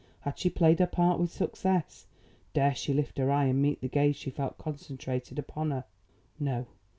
Had she played her part with success? Dare she lift her eye and meet the gaze she felt concentrated upon her? No.